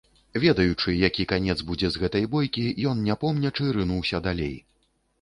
Ведаючы, які канец будзе з гэтай бойкі, ён, не помнячы, рынуўся далей.